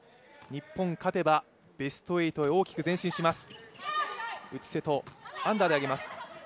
日本、勝てばベスト８へ大きく前進します。